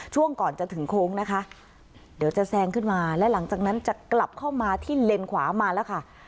ช่วงก่อนจะถึงโค้งนะคะเดี๋ยวจะแซงขึ้นมาและหลังจากนั้นจะกลับเข้ามาที่เลนขวามาแล้วค่ะ